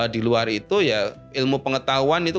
di luar itu ya ilmu pengetahuan itu